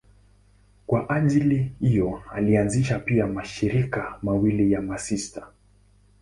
Kwa ajili hiyo alianzisha pia mashirika mawili ya masista.